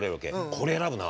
これ選ぶな！